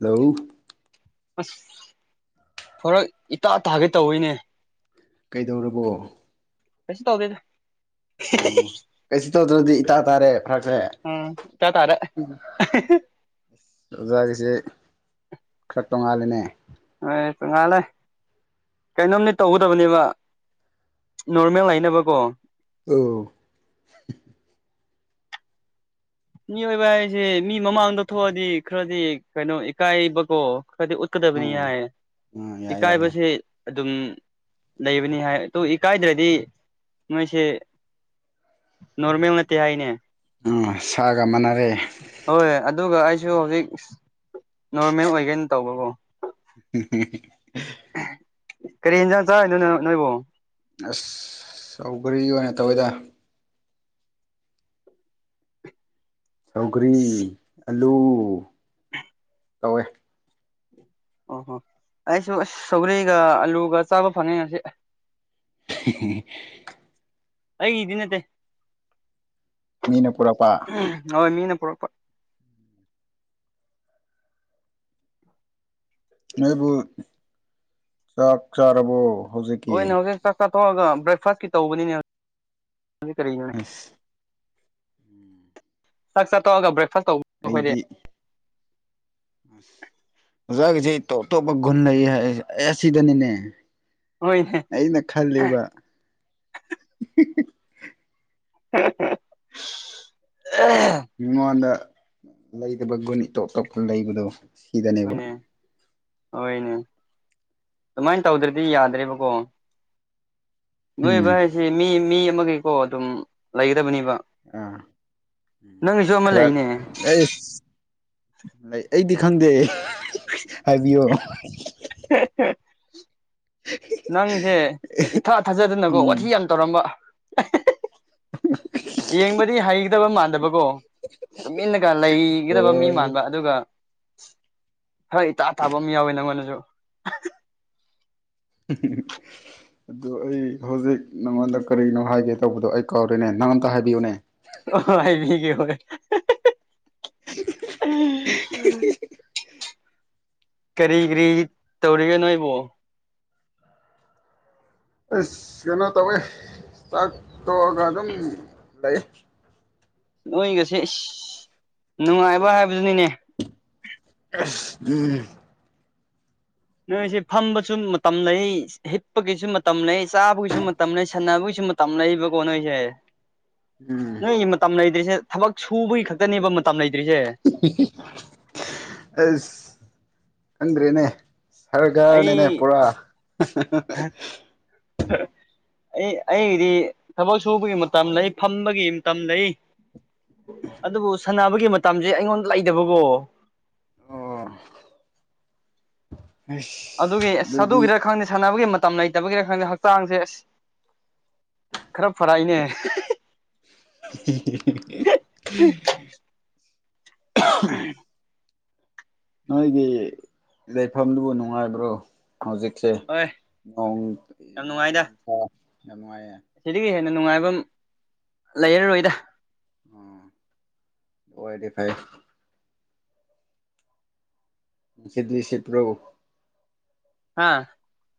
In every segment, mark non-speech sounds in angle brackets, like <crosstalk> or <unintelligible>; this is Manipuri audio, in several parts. ꯍꯜꯂꯣ ꯑꯁ ꯐꯣꯔꯛ ꯏꯇꯥ ꯇꯥꯒꯦ ꯇꯧꯋꯤꯅꯦ꯫ ꯀꯩꯗꯧꯔꯕꯣ? ꯀꯩꯁꯨ ꯇꯧꯗꯦꯗ ꯑꯣ <unintelligible> ꯀꯩꯁꯨ ꯇꯧꯗ꯭ꯔꯗꯤ ꯏꯇꯥ ꯇꯥꯔꯦ ꯐꯔꯛꯁꯦ꯫ ꯎꯝ ꯏꯇꯥ ꯇꯥꯔꯦ <unintelligible> ꯑꯁ ꯑꯣꯖꯥꯒꯤꯁꯦ ꯈꯔ ꯇꯣꯡꯉꯥꯜꯂꯦꯅꯦ ꯍꯣꯏ ꯇꯣꯡꯉꯥꯜꯂꯦ ꯀꯩꯅꯣꯝꯅꯤ ꯇꯧꯒꯗꯕꯅꯦꯕ ꯅꯣꯔꯃꯦꯜ ꯂꯩꯅꯕꯀꯣ ꯑꯣ ꯃꯤꯑꯣꯏꯕ ꯍꯥꯏꯁꯦ ꯃꯤ ꯃꯃꯥꯡꯗ ꯊꯣꯛꯑꯗꯤ ꯈꯔꯗꯤ ꯀꯩꯅꯣ ꯏꯀꯥꯏꯕꯀꯣ ꯈꯔꯗꯤ ꯀꯗꯕꯅꯤ ꯎꯝ ꯍꯥꯏꯌꯦ ꯎꯝ ꯌꯥꯏ ꯌꯥꯏ ꯌꯥꯏ ꯏꯀꯥꯏꯕꯁꯦ ꯑꯗꯨꯝ ꯂꯩꯕꯅꯤ ꯍꯥꯏ ꯑꯗꯨ ꯏꯀꯥꯏꯗ꯭ꯔꯗꯤ ꯅꯣꯏꯁꯦ ꯅꯣꯔꯃꯦꯜ ꯅꯠꯇꯦ ꯍꯥꯏꯅꯦ ꯑ ꯁꯥꯔꯒ ꯃꯥꯟꯅꯔꯦ ꯍꯣꯏ ꯑꯗꯨꯒ ꯑꯩꯁꯨ ꯍꯧꯖꯤꯛ ꯅꯣꯔꯃꯦꯜ ꯑꯣꯏꯒꯦꯅ ꯇꯧꯕꯀꯣ <unintelligible> ꯀꯔꯤ ꯌꯦꯟꯖꯥꯡ ꯆꯥꯔꯤꯅꯣ ꯅꯪ ꯅꯣꯏꯕꯨ ꯑꯁ ꯁꯧꯒ꯭ꯔꯤ ꯑꯣꯏꯅ ꯇꯧꯋꯤꯗ ꯁꯧꯒ꯭ꯔꯤ ꯑꯂꯨ ꯇꯧꯋꯦ ꯑꯣꯍꯣ ꯑꯩꯁꯨ ꯁꯧꯒ꯭ꯔꯤꯒ ꯑꯂꯨꯒ ꯆꯥꯕ ꯐꯪꯉꯦ ꯉꯁꯤꯗꯤ <unintelligible> ꯑꯩꯒꯤꯗꯤ ꯅꯠꯇꯦ ꯃꯤꯅ ꯄꯨꯔꯛꯄ ꯎ ꯍꯣꯏ ꯃꯤꯅ ꯄꯨꯔꯛꯄ ꯅꯣꯏꯕꯨ ꯆꯥꯛ ꯆꯥꯔꯕꯣ ꯑꯣꯏꯅ ꯍꯧꯖꯤꯛꯀꯤ ꯍꯧꯖꯤꯛ ꯆꯥꯛ ꯆꯥ ꯊꯣꯛꯑꯒ ꯕ꯭ꯔꯦꯛꯐꯥꯁꯀꯤ ꯇꯧꯕꯅꯤꯅꯦ ꯀꯅꯣꯅꯦ ꯑꯁ ꯆꯥꯛ ꯆꯥ ꯇꯣꯛꯑꯒ ꯕ꯭ꯔꯦꯛꯐꯥꯁ ꯇꯧꯕ ꯑꯩꯈꯣꯏꯗꯤ ꯑꯩꯗꯤ ꯑꯣꯖꯥꯒꯤꯗꯤ ꯇꯣꯞ ꯇꯣꯞꯄ ꯒꯨꯟ ꯂꯩ ꯍꯥꯏꯌꯦ ꯑꯁꯤꯗꯅꯤꯅꯦ ꯍꯣꯏꯅꯦ ꯑꯩꯅ ꯈꯜꯂꯦꯕ <unintelligible> ꯃꯤꯉꯣꯟꯗ ꯂꯩꯇꯕ ꯒꯨꯟ ꯇꯣꯞ ꯇꯣꯞꯄ ꯂꯩꯕꯗꯣ ꯁꯤꯗꯅꯦꯕ ꯍꯣꯏꯅꯦ ꯍꯣꯏꯅꯦ ꯑꯗꯨꯃꯥꯏꯟ ꯇꯧꯗ꯭ꯔꯗꯤ ꯌꯥꯗ꯭ꯔꯦꯕꯀꯣ ꯅꯣꯏꯕ ꯎꯝ ꯍꯥꯏꯁꯤ ꯃꯤ ꯃꯤ ꯑꯃꯒꯤꯀꯣ ꯑꯗꯨꯝ ꯂꯩꯒꯗꯕꯅꯦꯕ ꯎꯝ ꯅꯪꯒꯤꯁꯨ ꯑꯃ ꯈꯔ ꯂꯩꯅꯦ ꯑꯩꯁ ꯑꯩ ꯑꯩꯗꯤ ꯈꯪꯗꯦ ꯍꯥꯏꯕꯤꯌꯣ ꯅꯪꯁꯦ ꯏꯊꯥ ꯊꯥꯖꯗꯅꯀꯣ ꯋꯥꯊꯤ ꯎꯝ ꯌꯥꯝ ꯇꯧꯔꯝꯕ ꯌꯦꯡꯕꯗꯤ ꯍꯩꯒꯗꯕ ꯃꯥꯟꯗꯕꯀꯣ ꯇꯨꯃꯤꯟꯅꯒ ꯂꯩꯒꯗꯕ ꯃꯤ ꯍꯣꯏ ꯃꯥꯟꯕ ꯑꯗꯨꯒ ꯍꯣꯏ ꯏꯇꯥ ꯇꯥꯕ ꯑꯃ ꯌꯥꯎꯋꯦ ꯅꯪꯉꯣꯟꯗꯁꯨ <unintelligible> ꯑꯗꯨ ꯑꯩ ꯍꯧꯖꯤꯛ ꯅꯪꯉꯣꯟꯗ ꯀꯔꯤꯅꯣ ꯍꯥꯏꯒꯦ ꯇꯧꯕꯗꯣ ꯑꯩ ꯀꯥꯎꯔꯦꯅꯦ ꯅꯪ ꯑꯝꯇ ꯍꯥꯏꯕꯤꯌꯨꯅꯦ ꯑꯣ ꯍꯥꯏꯕꯤꯒꯦ ꯍꯣꯏ <unintelligible> ꯀꯔꯤ ꯀꯔꯤ ꯇꯧꯔꯤꯒꯦ ꯅꯣꯏꯕꯨ ꯑꯁ ꯀꯩꯅꯣ ꯇꯧꯋꯦ ꯆꯥꯛ ꯇꯣꯛꯑꯒ ꯑꯗꯨꯝ ꯂꯩ ꯅꯣꯏꯒꯁꯦ ꯏꯁ ꯅꯨꯡꯉꯥꯏꯕ ꯍꯥꯏꯕꯗꯨꯅꯤꯅꯦ ꯎꯝ ꯅꯣꯏꯁꯦ ꯐꯝꯕꯁꯨ ꯃꯇꯝ ꯂꯩ ꯍꯤꯠꯄꯒꯤꯁꯨ ꯃꯇꯝ ꯂꯩ ꯆꯥꯕꯒꯤꯁꯨ ꯃꯇꯝ ꯂꯩ ꯁꯥꯟꯅꯕꯒꯤꯁꯨ ꯃꯠ ꯇꯝꯅꯩꯕꯀꯣ ꯅꯣꯢꯖꯦ ꯎꯝ ꯅꯣꯏꯒꯤ ꯃꯇꯝ ꯂꯩꯇ꯭ꯔꯤꯁꯦ ꯊꯕꯛ ꯁꯨꯕꯒꯤ ꯈꯛꯇꯅꯦꯕ ꯃꯇꯝ ꯂꯩꯇ꯭ꯔꯤꯁꯦ ꯑꯁ ꯈꯪꯗ꯭ꯔꯦꯅꯦ ꯁꯔꯒꯔꯥꯅꯤꯅꯦ ꯑꯩ ꯄꯨꯔꯥ <unintelligible> ꯑꯩ ꯑꯩꯒꯤꯗꯤ ꯊꯕꯛ ꯁꯨꯕꯒꯤ ꯃꯇꯝ ꯂꯩ ꯐꯝꯕꯒꯤ ꯃꯇꯝ ꯂꯩ ꯑꯗꯨꯕꯨ ꯁꯥꯟꯅꯕꯒꯤ ꯃꯇꯝꯖꯦ ꯑꯩꯉꯣꯟꯗ ꯂꯩꯗꯕꯀꯣ ꯑꯣ ꯑꯁ ꯑꯗꯨꯒꯤ ꯑꯁ ꯑꯗꯨꯗꯤ ꯑꯗꯨꯒꯤꯔ ꯈꯪꯗꯦ ꯁꯥꯟꯅꯕꯒꯤ ꯃꯇꯝ ꯂꯩꯇꯕꯒꯤꯔ ꯈꯪꯗꯦ ꯍꯛꯆꯥꯡꯁꯦ ꯑꯁ ꯈꯔ ꯐꯥꯛꯛꯏꯅꯦ <unintelligible> ꯅꯣꯏꯒꯤ ꯂꯩꯐꯝꯗꯨꯕꯨ ꯅꯨꯡꯉꯥꯏꯕ꯭ꯔꯣ ꯍꯧꯖꯤꯛꯁꯦ ꯍꯣꯏ ꯅꯣꯡ ꯅꯣꯡ ꯅꯨꯡꯁꯥ ꯌꯥꯝ ꯅꯨꯡꯉꯥꯏꯌꯦ ꯑꯁꯤꯗꯒꯤ ꯍꯦꯟꯅ ꯅꯨꯡꯉꯥꯏꯕꯝ ꯂꯩꯔꯔꯣꯏꯗ ꯑꯣ ꯑꯣꯢꯔꯗꯤ ꯐꯩ ꯅꯨꯡꯁꯤꯠꯗꯤ ꯁꯤꯠꯄ꯭ꯔꯣ ꯍꯥꯥ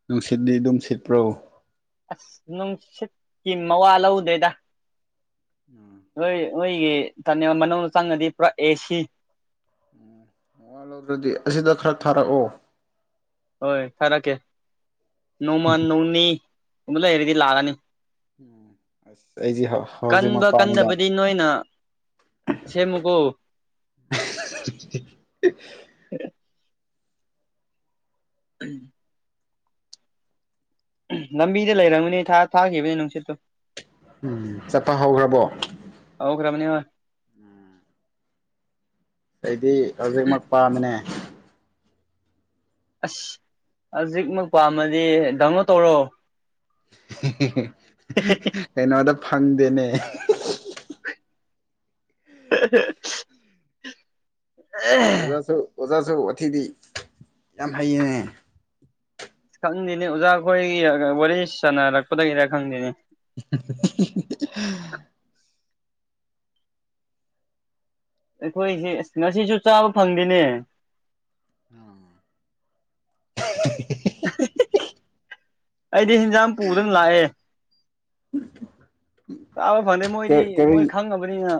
ꯅꯨꯡꯁꯤꯗꯗꯣ ꯗꯨꯝ ꯁꯤꯠꯄ꯭ꯔꯣ ꯑꯁ ꯅꯨꯡꯁꯤꯠꯀꯤ ꯃꯋꯥ ꯂꯧꯗꯦꯗ ꯎꯝ ꯅꯣꯏ ꯅꯣꯏꯒꯤꯅꯦ ꯇꯅꯦꯜ ꯃꯅꯨꯡꯗ ꯆꯪꯉꯗꯤ ꯄꯨꯔꯥ ꯑꯦꯁꯤ ꯃꯋꯥ ꯂꯧꯗ꯭ꯔꯗꯤ ꯑꯁꯤꯗ ꯈꯔ ꯊꯥꯔꯛꯑꯣ ꯍꯣꯏ ꯊꯥꯔꯛꯀꯦ ꯅꯣꯡꯃꯥ ꯅꯣꯡꯅꯤꯒꯨꯝꯕ ꯂꯩꯔꯗꯤ ꯂꯥꯛꯑꯅꯤ ꯎꯝ ꯑꯁ ꯑꯩꯁꯦ ꯍꯧꯖꯤꯛꯃꯛ ꯀꯟꯕ ꯄꯥꯝꯃꯤꯗ ꯀꯟꯗꯕꯗꯤ ꯅꯣꯏꯅ ꯁꯦꯝꯃꯨꯒꯣ <unintelligible> <unintelligible> ꯂꯝꯕꯤꯗ ꯂꯩꯔꯝꯒꯅꯤ ꯊꯥ ꯊꯥꯒꯤꯕꯅꯦ ꯅꯨꯡꯁꯤꯠꯇꯨ ꯎꯝ ꯆꯠꯄ ꯍꯧꯒ꯭ꯔꯥꯕꯣ ꯍꯧꯒ꯭ꯔꯕꯅꯤ ꯍꯣꯢ ꯑꯩꯗꯤ ꯍꯧꯖꯤꯛꯃꯛ ꯄꯥꯝꯃꯤꯅꯦ ꯑꯁ ꯍꯧꯖꯤꯛꯃꯛ ꯄꯥꯝꯃꯗꯤ ꯗꯥꯎꯟꯂꯣꯗ ꯇꯧꯔꯣ ꯀꯩꯅꯣꯗ ꯐꯪꯗꯅꯦ <unintelligible> <unintelligible> ꯑꯣꯖꯥꯁꯨ ꯑꯣꯖꯥꯁꯨ ꯋꯥꯊꯤꯗꯤ ꯌꯥꯝ ꯍꯩꯌꯦꯅꯦ ꯈꯪꯗꯦꯅꯦ ꯑꯣꯖꯥ ꯈꯣꯏꯒꯤ ꯋꯥꯔꯤ ꯁꯥꯟꯅꯔꯛꯄꯗꯒꯤꯔ ꯈꯪꯗꯦꯅꯦ <unintelligible> ꯑꯩꯈꯣꯏꯁꯦ ꯑꯁ ꯉꯁꯤꯁꯨ ꯆꯥꯕ ꯐꯪꯗꯦꯅꯦ <unintelligible> ꯑꯩꯗꯤ ꯍꯤꯟꯖꯥꯡ ꯄꯨꯕꯗꯅ ꯂꯥꯛꯑꯦ ꯆꯥꯕ ꯐꯗꯦ ꯃꯣꯏꯗꯤ ꯃꯣꯏ ꯀꯔꯤ ꯈꯪꯉꯕꯅꯤꯅ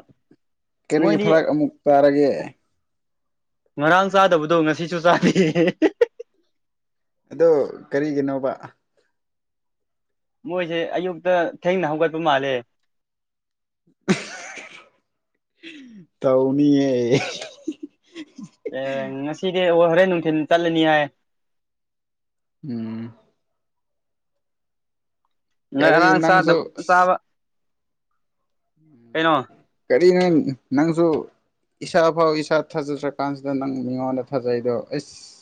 ꯀꯔꯤ ꯃꯣꯏꯗꯤ ꯐꯔꯛ ꯑꯃꯨꯛ ꯇꯥꯔꯒꯦ ꯉꯔꯥꯡ ꯆꯥꯗꯕꯗꯣ ꯉꯁꯤꯁꯨ ꯆꯥꯗꯦ ꯑꯗꯣ ꯀꯔꯤꯒꯤꯅꯣꯕ ꯃꯣꯏꯁꯦ ꯑꯌꯨꯛꯇꯥ ꯊꯦꯡꯅ ꯍꯧꯒꯠꯄ ꯃꯥꯜꯂꯦ ꯇꯧꯅꯤꯌ‌ꯦ ꯑꯦ ꯉꯁꯤꯗꯤ ꯑꯣ ꯍꯣꯔꯦꯟ ꯅꯨꯡꯊꯤꯟ ꯆꯠꯂꯅꯤ ꯍꯥꯏꯌ‌ ꯎꯝ <unintelligible> ꯀꯔꯤ ꯉꯔꯥꯡ ꯅꯪꯁꯨ ꯆꯥꯗꯕ ꯆꯥꯕ ꯎꯝ ꯀꯩꯅꯣ ꯀꯔꯤꯅꯦ ꯅꯪꯁꯨ ꯏꯁꯥ ꯐꯥꯎ ꯏꯁꯥ ꯊꯥꯖꯗ꯭ꯔꯥ ꯀꯥꯟꯁꯤꯗ ꯅꯪ ꯃꯤꯉꯣꯟꯗ ꯊꯥꯖꯩꯗꯣ ꯑꯦꯁ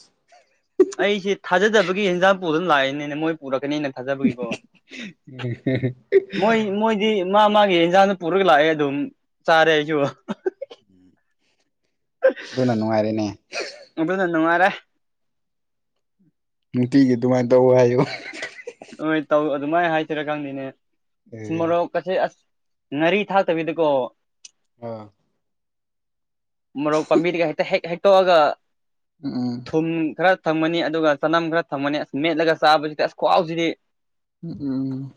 ꯑꯩꯁꯦ ꯊꯥꯖꯗꯕꯒꯤ ꯍꯦꯟꯖꯥꯡ ꯄꯨꯗꯨꯅ ꯂꯥꯛꯏꯅꯤꯅꯦ ꯃꯣꯏ ꯄꯨꯔꯛꯀꯅꯤꯅꯥ ꯊꯖꯕꯒꯤꯀꫭ ꯃꯣꯏ ꯃꯣꯏꯗꯤ ꯃꯥ ꯃꯥꯒꯤ ꯌꯦꯟꯖꯥꯡꯗꯨ ꯄꯨꯔꯒꯥ ꯂꯥꯛꯑꯦ ꯑꯗꯨꯝ ꯆꯥꯔꯦ ꯑꯩꯁꯨ ꯑꯗꯨꯅ ꯅꯨꯡꯉꯥꯏꯔꯦꯅꯦ ꯑꯗꯨꯅꯥ ꯅꯨꯡꯉꯥꯏꯔꯦ ꯅꯨꯡꯇꯤꯒꯤ ꯑꯗꯨꯃꯥꯏꯅ ꯇꯧꯋ‌ꯦ ꯍꯥꯏꯌꯣ ꯍꯣꯏ ꯇꯧ ꯑꯗꯨꯃꯥꯏꯅ ꯍꯥꯏꯁꯤꯔꯥ ꯈꯪꯗ‌ꯦꯅꯦ ꯃꯣꯔꯣꯛ ꯀꯆ‌ꯦ ꯑꯁ ꯉꯥꯔꯤ ꯊꯥꯛꯇꯕꯤꯗꯀꯣ ꯑꯥ ꯃꯔꫭꯛ ꯄꯥꯝꯕꯤꯗꯒꯤ ꯍ‌ꯦꯛꯇꯥ ꯍ‌ꯦꯛ ꯍ‌ꯦꯛꯇꫭꯛꯑꯒꯥ ꯎꯝ ꯊꯨꯝ ꯈꯔ ꯊꯝꯃꯅꯤ ꯑꯗꯨꯒ ꯆꯅꯝ ꯈꯔ ꯊꯝꯃꯅꯤ ꯑꯁ ꯃꯦꯠꯂꯒ ꯆꯥꯕꯁꯤꯗꯤ ꯑꯁ ꯈ꯭ꯋꯥꯥꯎꯁꯤꯗꯤ ꯎꯝ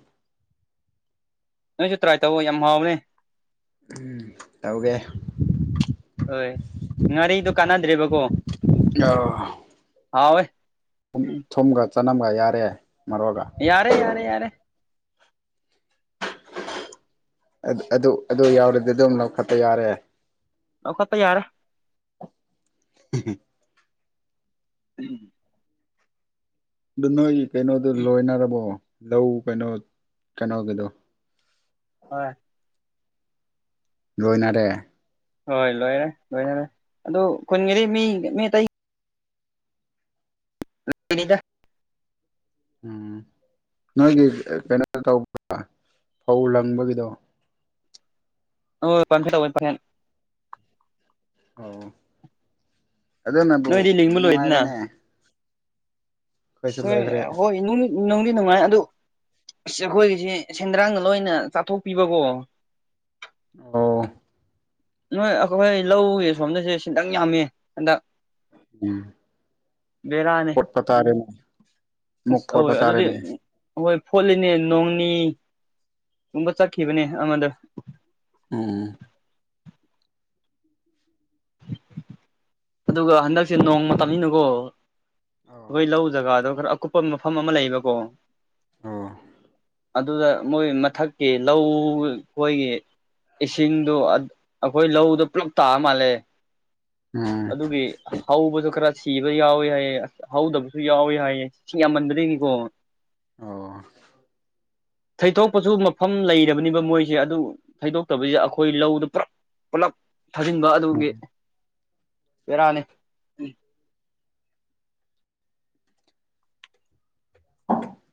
ꯅꯪꯁꯨ ꯇ꯭ꯔꯥꯏ ꯇꯧꯋ‌ꯦ ꯌꯥꯝ ꯍꯥꯎꯕꯅꯦ ꯎꯝ ꯇꯧꯒꯦ ꯍꯣꯏ ꯉꯥꯔꯤꯗꯣ ꯀꯥꯟꯅꯗ꯭ꯔꯦꯕꯀꯣ ꯍꯥꯎꯋꯦ ꯊꯨꯝꯒ ꯆꯅꯝꯒꯥ ꯌꯥꯔꯦ ꯃꯔꯣꯛꯒ ꯌꯥꯔꯦ ꯌꯥꯔꯦ ꯌꯥꯔꯦ ꯑꯗꯨ ꯑꯗꯨ ꯌꯥꯎꯔꯗꯤ ꯑꯗꯨꯝ ꯂꯧꯈꯠꯄ ꯌꯥꯔꯦ ꯂꯧꯈꯠꯄꯥ ꯌꯥꯔꯦ <unintelligible> ꯎꯝ ꯑꯗꯨ ꯅꯣꯏꯒꯤ ꯀꯩꯅꯣꯗꯨ ꯂꯣꯏꯅꯔꯕꯣ ꯂꯧ ꯀꯩꯅꯣ ꯀꯩꯅꯣꯒꯤꯗꯣ ꯍꯣꯏ ꯂꯣꯏꯅꯔꯦ ꯍꯣꯏ ꯂꯣꯏꯔꯦ ꯂꯣꯏꯅꯔꯦ ꯑꯗꯨ ꯈꯨꯟꯒꯤꯗꯤ ꯃꯤ ꯃꯤ ꯑꯇꯩ ꯗ <unintelligible> ꯎꯝ ꯅꯣꯏꯒꯤ ꯀꯩꯅꯣ ꯇꯧꯕ꯭ꯔꯥ ꯐꯧ ꯂꯪꯕꯒꯤꯗꯣ ꯑꯣ ꯄꯪ ꯇ <unintelligible> ꯑꯣ ꯑꯗꯨꯅꯕꯨ ꯅꯣꯏꯗꯤ ꯂꯤꯡꯕ ꯂꯣꯏꯗꯅ ꯅꯨꯡꯉꯥꯏꯔꯦꯅꯦ ꯑꯩꯈꯣꯏꯁꯨ ꯁꯣꯏ ꯂꯣꯏꯈ꯭ꯔꯦ ꯍꯣꯏ ꯅꯨꯡꯗꯤ ꯅꯨꯡꯉꯥꯏ ꯑꯗꯨ ꯑꯁ ꯑꯩꯈꯣꯏꯒꯤꯁ‌ꯦ ꯁꯦꯟꯗ꯭ꯔꯥꯡꯅ ꯂꯣꯏꯅ ꯆꯥꯊꯣꯛꯄꯤꯕꯀꯣ ꯑꯣ ꯅꯣꯏ ꯑꯩꯈꯣꯏ ꯂꯧꯒꯤ ꯁꯣꯝꯗꯁꯦ ꯁ <unintelligible> ꯌꯥꯝꯃꯤ ꯍꯟꯗꯛ ꯎꯝ ꯕꯦꯔꯥ ꯄꯇꯥꯔꯦꯅꯦ ꯃꯨꯛ ꯐꯣꯔ ꯑꯧ ꯑꯗꯨꯗꯤ ꯄꯇꯥꯔꯦꯅꯦ ꯍꯣꯏ ꯐꯣꯂꯤꯅꯦ ꯅꯣꯡꯅꯤꯒꯨꯝꯕ ꯆꯠꯈꯤꯕꯅꯦ ꯑꯃꯗ ꯑꯣ ꯑꯗꯨꯒ ꯍꯟꯗꯛꯁꯦ ꯅꯣꯡ ꯃꯇꯝꯅꯤꯅꯤꯅꯀꯣ ꯑꯣ ꯑꯈꯣꯏ ꯂꯧ ꯖꯒꯥꯗꯣ ꯈꯔ ꯑꯀꯨꯞ ꯃꯐꯝ ꯑꯃ ꯂꯩꯕꯀꯣ ꯑꯣ ꯑꯗꯨꯗ ꯃꯣꯏ ꯃꯊꯛꯀꯤ ꯂꯧ ꯈꯣꯏꯒꯤ ꯏꯁꯤꯡꯗꯣ ꯑꯈꯣꯏ ꯂꯧꯗꯣ ꯄꯨꯂꯞ ꯇꯥ ꯃꯥꯜꯂꯦ ꯎꯝ ꯑꯗꯨꯒꯤ ꯍꯧꯕꯖꯨ ꯈꯔ ꯁꯤꯕ ꯌꯥꯎꯏ ꯍꯥꯏꯌꯦ ꯑꯁ ꯍꯧꯗꯕꯁꯨ ꯌꯥꯎꯏ ꯍꯥꯏꯌꯦ ꯏꯁꯤꯡ ꯌꯥꯝꯃꯟꯕꯗꯒꯤꯅꯤꯀꯣ ꯑꯣ ꯊꯩꯗꯣꯛꯄꯁꯨ ꯃꯐꯝ ꯂꯩꯔꯕꯅꯤꯕ ꯃꯣꯏꯁꯦ ꯑꯗꯨ ꯊꯩꯗꯣꯛꯇꯕꯩ ꯌꯥ ꯑꯈꯣꯏ ꯂꯧꯗ ꯄꯨꯂꯞ ꯄꯨꯂꯞ ꯊꯥꯖꯤꯟꯕ ꯑꯗꯨꯒꯤ ꯎꯝ ꯕꯦꯔꯥꯅꯦ <inaudible>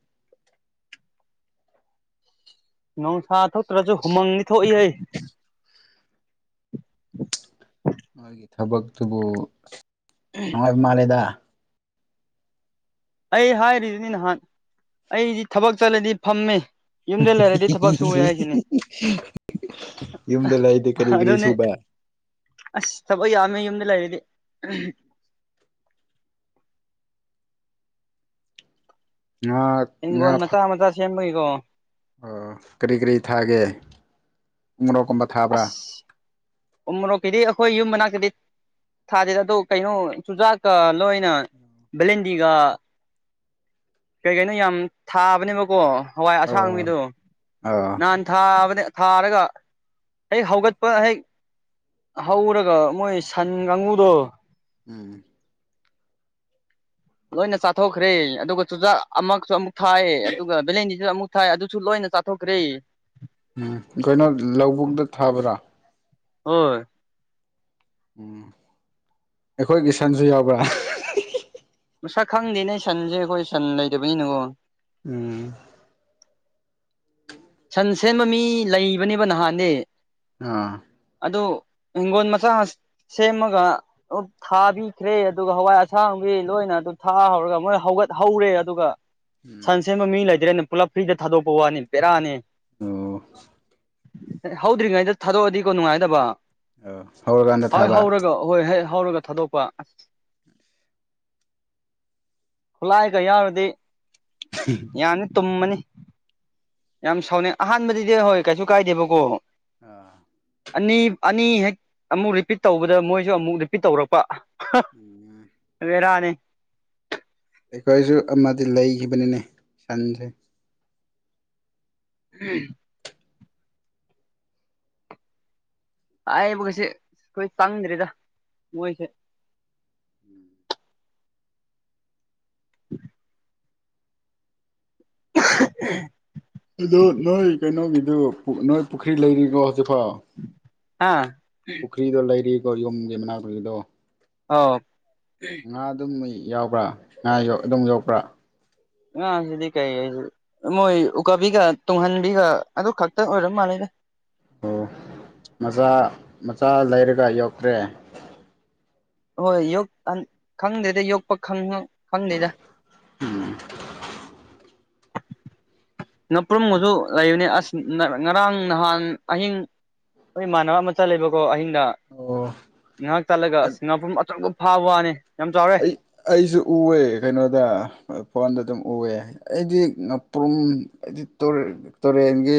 ꯅꯣꯡꯁꯥ ꯊꯣꯛꯇ꯭ꯔꯁꯨ ꯍꯨꯃꯪꯅꯤ ꯊꯣꯛꯏ ꯍꯩ ꯃꯥꯒꯤ ꯊꯕꯛꯇꯨꯕꯨ ꯅꯨꯡꯉꯥꯏꯕ ꯃꯥꯜꯂꯦꯗ ꯑꯩ ꯍꯥꯏꯔꯤꯖꯤꯅꯤ ꯅꯍꯥꯟ ꯑꯩꯗꯤ ꯊꯕꯛ ꯆꯠꯂꯗꯤ ꯐꯝꯃꯦ <unintelligible> ꯌꯨꯝꯗ ꯂꯩꯗꯤ ꯀꯔꯤ ꯀꯔꯤ ꯑꯗꯨꯅꯦ ꯁꯨꯕ ꯑꯁ ꯊꯕꯛ ꯌꯥꯝꯃꯦ ꯌꯨꯝꯗ ꯂꯩꯔꯗꯤ ꯉꯥ ꯉꯥ ꯍꯤꯡꯒꯣꯟ ꯐꯠ ꯃꯆꯥ ꯃꯆꯥ ꯁꯦꯝꯕꯒꯤꯀꯣ ꯑꯣ ꯀꯔꯤ ꯀꯔꯤ ꯊꯥꯒꯦ ꯎꯃꯨꯔꯣꯛꯀꯨꯝꯕ ꯊꯥꯕ꯭ꯔꯥ ꯎ ꯃꯨꯔꯣꯛꯀꯤꯗꯤ ꯑꯩꯈꯣꯏ ꯌꯨꯝ ꯃꯅꯥꯛꯇꯗꯤ ꯊꯥꯗꯦꯗ ꯑꯗꯣ ꯀꯩꯅꯣ ꯆꯨꯖꯥꯛꯀ ꯂꯣꯏ ꯅ ꯚꯦꯂꯦꯟꯗꯤꯒ ꯀꯩ ꯀꯩꯅꯣ ꯌꯥꯝ ꯊꯥꯕꯅꯦꯕꯀꯣ ꯍꯋꯥꯏ ꯑꯣ ꯑꯁꯥꯡꯕꯤꯗꯣ ꯑꯣ ꯅꯍꯥꯟ ꯊꯥꯕꯅꯦ ꯊꯥꯔꯒ ꯍꯦꯛ ꯍꯧꯒꯠꯄ ꯍꯦꯛ ꯍꯧꯔꯒ ꯃꯣꯏ ꯁꯟ ꯒꯥꯡꯒꯨꯗꯣ ꯎꯝ ꯂꯣꯏꯅ ꯆꯥꯊꯣꯛꯈ꯭ꯔꯦ ꯑꯗꯨꯒ ꯆꯨꯖꯥꯛ ꯑꯃꯛꯁꯨ ꯑꯃꯨꯛ ꯊꯥꯏ ꯑꯗꯨꯒ ꯚꯦꯂꯦꯟꯗꯤꯖꯨ ꯑꯃꯨꯛ ꯊꯥꯏ ꯑꯗꯨꯁꯨ ꯂꯣꯏꯅ ꯆꯥꯊꯣꯛꯈ꯭ꯔꯦ ꯎꯝ ꯒꯩꯅꯣ ꯂꯧꯕꯨꯛꯇ ꯊꯥꯕꯔꯥ ꯍꯣꯏ ꯎꯝ ꯑꯩꯈꯣꯏꯒꯤ ꯁꯟꯁꯨ ꯌꯥꯎꯕ꯭ꯔꯥ ꯃꯁꯛ ꯈꯪꯗꯦꯅꯦ ꯁꯟꯁꯦ ꯑꯩꯈꯣꯏ ꯁꯟ ꯂꯩꯇꯕꯅꯤꯅꯀꯣ ꯎꯝ ꯁꯟ ꯁꯦꯟꯕ ꯃꯤ ꯂꯩꯕꯅꯦꯕ ꯅꯍꯥꯟꯗꯤ ꯑꯥ ꯑꯗꯣ ꯍꯤꯡꯒꯣꯟ ꯃꯆꯥ ꯁꯦꯝꯃꯒ ꯊꯥꯕꯤꯈ꯭ꯔꯦ ꯑꯗꯨꯒ ꯍꯋꯥꯏ ꯑꯁꯥꯡꯕꯤ ꯂꯣꯏꯅ ꯑꯗꯨ ꯊꯥꯍꯧꯔꯒ ꯃꯣꯏ ꯍꯧꯒꯠꯍꯧꯔꯦ ꯑꯗꯨꯒ ꯎꯝ ꯁꯟ ꯁꯦꯟꯕ ꯃꯤ ꯂꯩꯇ꯭ꯔꯦꯅ ꯄꯨꯂꯞ ꯐ꯭ꯔꯤꯗ ꯊꯥꯗꯣꯛꯄ ꯋꯥꯅꯤ ꯕꯦꯔꯥꯅꯦ ꯑꯣ ꯍꯧꯗ꯭ꯔꯤꯉꯩꯗ ꯊꯥꯗꯣꯛꯑꯗꯤꯀꯣ ꯅꯨꯡꯉꯥꯏꯒꯗꯕ ꯑꯣ ꯍꯧꯔꯀꯥꯟꯗ ꯊꯥꯕ ꯑꯍꯣꯏ ꯍꯩ ꯍꯧꯔꯒ ꯊꯥꯗꯣꯛꯄ ꯑꯁ ꯈꯨꯠꯂꯥꯏꯒ ꯌꯥꯎꯔꯗꯤ ꯎꯝ ꯌꯥꯅꯤ ꯇꯨꯝꯃꯅꯤ ꯌꯥꯝ ꯁꯥꯎꯅꯤꯡ ꯑꯍꯥꯟꯕꯗꯗꯤ ꯍꯣꯏ ꯀꯩꯁꯨ ꯀꯥꯏꯗꯦꯕꯀꯣ ꯑꯥ ꯑꯅꯤ ꯑꯅꯤ ꯍꯦꯛ ꯑꯃꯨꯛ ꯔꯤꯄꯤꯠ ꯇꯧꯕꯗ ꯃꯣꯏꯁꯨ ꯑꯃꯨꯛ ꯔꯤꯄꯤꯠ ꯇꯧꯔꯛꯄ <unintelligible> ꯎꯝ ꯕꯦꯔꯅꯤ ꯑꯩꯈꯣꯏꯁꯨ ꯑꯃꯗꯤ ꯂꯩꯒꯤꯕꯅꯤꯅꯦ ꯁꯟꯁꯦ <unintelligible> ꯍꯥꯏꯕ ꯒꯁꯦ ꯑꯩꯈꯣꯏ ꯆꯪꯗ꯭ꯔꯦꯗ ꯃꯣꯏꯁꯦ <inaudible> <inaudible> ꯑꯗꯨ ꯅꯣꯏ ꯀꯩꯅꯣꯒꯤꯗꯨ ꯅꯣꯏ ꯄꯨꯈ꯭ꯔꯤ ꯂꯩꯔꯤꯕꯣ ꯍꯧꯖꯤꯛꯐꯥꯎ ꯑꯥ ꯄꯨꯈ꯭ꯔꯤꯗꯣ ꯂꯩꯔꯤꯕꯣ ꯌꯨꯝꯒꯤ ꯃꯅꯥꯛꯄꯨꯈ꯭ꯔꯤꯗꯣ ꯑꯧ ꯉꯥ ꯑꯗꯨꯝ ꯌꯥꯎꯕ꯭ꯔꯥ ꯉꯥ ꯑꯗꯨꯝ ꯌꯣꯛꯄ꯭ꯔꯥ ꯉꯥ ꯁꯤꯗꯤ ꯀꯩ ꯍꯥꯏꯁꯤꯒꯦ ꯃꯣꯏ ꯎꯀꯥꯕꯤꯒ ꯇꯨꯡꯍꯟꯕꯤꯒ ꯑꯗꯨ ꯈꯛꯇ ꯑꯣꯏꯔꯝ ꯃꯥꯜꯂꯦꯗ ꯑꯣ ꯃꯆꯥ ꯃꯆꯥ ꯂꯩꯔꯒ ꯌꯣꯛꯈ꯭ꯔꯦ ꯍꯣꯏ ꯌꯣꯛꯍꯟ ꯈꯪꯗꯦꯗ ꯌꯣꯛꯄ ꯈꯪꯍꯧ ꯈꯪꯗꯦꯗ ꯎꯝ ꯉꯥꯄ꯭ꯔꯨꯝꯒꯁꯨ ꯂꯩꯕꯅꯤ ꯑꯁ ꯉꯔꯥꯡ ꯅꯍꯥꯟ ꯑꯍꯤꯡ ꯑꯈꯣꯏ ꯏꯃꯥꯟꯅꯕ ꯑꯃ ꯆꯠ ꯂꯦꯕꯀꯣ ꯑꯍꯤꯡꯗ ꯑꯣ ꯉꯍꯥꯛ ꯆꯠꯂꯒ ꯑꯁ ꯉꯥꯄ꯭ꯔꯨꯝ ꯑꯆꯧꯕ ꯐꯥꯕ ꯋꯥꯅꯤ ꯌꯥꯝ ꯆꯥꯎꯔꯦ ꯑꯩ ꯑꯩꯁꯨ ꯎꯑꯦ ꯀꯩꯅꯣꯗ ꯐꯣꯟꯗ ꯑꯗꯨꯝ ꯎꯋꯦ ꯑꯩꯗꯤ ꯉꯥꯄ꯭ꯔꯨꯝ ꯑꯩꯗꯤ ꯇꯨꯔꯦꯟꯒꯤ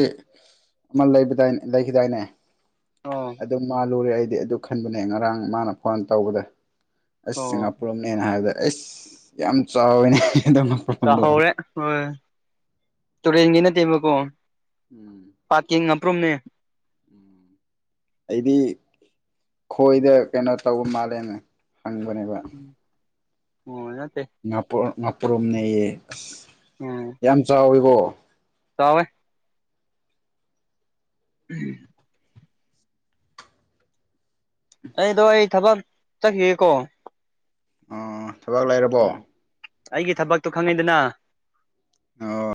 ꯑꯃ ꯂꯩꯕꯗꯥꯢ ꯂꯩꯈꯤꯗꯥꯏꯅꯦ ꯑꯣ ꯑꯗꯨꯝ ꯃꯥꯜꯂꯨꯔꯦ ꯑꯩꯗꯤ ꯑꯗꯨ ꯈꯟꯕꯅꯦ ꯉꯔꯥꯡ ꯃꯥꯅ ꯐꯣꯟ ꯇꯧꯕꯗ ꯑꯁ ꯑꯣ ꯉꯥ ꯄ꯭ꯔꯨꯝꯅꯦꯅ ꯍꯥꯏꯕꯗ ꯑꯩꯁ ꯌꯥꯝ ꯆꯥꯎꯋꯤꯅꯦ <unintelligible> ꯆꯥꯍꯧꯔꯦ ꯍꯣꯏ ꯇꯨꯔꯦꯟꯒꯤ ꯅꯠꯇꯦꯕꯀꯣ ꯎꯝ ꯄꯥꯠꯀꯤ ꯉꯥꯄ꯭ꯔꯨꯝꯅꯦ ꯑꯩꯗꯤ ꯈꯣꯏꯗ ꯀꯩꯅꯣ ꯇꯧꯕ ꯃꯥꯜꯂꯦꯅ ꯍꯪꯕꯅꯦꯕ ꯑꯣ ꯅꯠꯇꯦ ꯉꯥꯄ꯭ꯨꯔ ꯉꯥꯄ꯭ꯔꯨꯝꯅꯦꯌꯦ ꯑꯁ ꯑꯣ ꯌꯥꯝ ꯆꯥꯎꯋꯤꯀꯣ ꯆꯥꯎꯋꯦ <unintelligible> ꯑꯩꯗꯣ ꯑꯩ ꯊꯕꯛ ꯆꯠꯈꯤꯒꯦꯀꯣ ꯑꯣ ꯊꯕꯛ ꯂꯩꯔꯕꯣ ꯎꯝ ꯑꯩꯒꯤ ꯊꯕꯛꯇꯣ ꯈꯪꯉꯤꯗꯅ ꯑꯣ